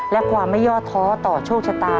และความไม่ยอดท้อต่อโชคชะตา